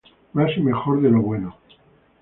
Más y Mejor de lo Bueno.